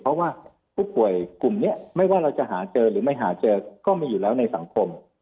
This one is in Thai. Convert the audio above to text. เพราะว่าผู้ป่วยกลุ่มนี้ไม่ว่าเราจะหาเจอหรือไม่หาเจอก็มีอยู่แล้วในสังคม